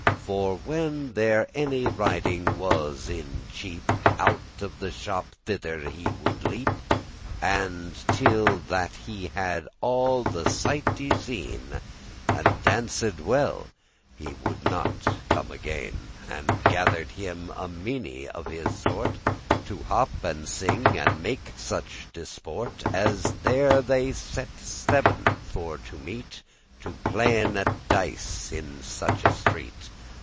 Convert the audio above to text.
For when there any riding was in Cheap,<1> Out of the shoppe thither would he leap, And, till that he had all the sight y seen, And danced well, he would not come again; And gather'd him a meinie* of his sort, *company of fellows To hop and sing, and make such disport: And there they *sette steven* for to meet *made appointment* To playen at the dice in such a street.